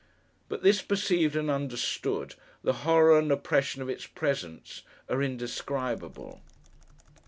But this perceived and understood, the horror and oppression of its presence are indescribable.